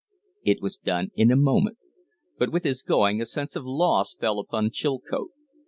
It was done in a moment; but with his going a sense of loss fell upon Chilcote.